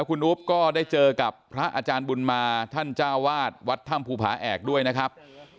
คุณอุ๊บก็ได้เจอกับพระอาจารย์บุญมาท่านเจ้าวาดวัดถ้ำภูผาแอกด้วยนะครับ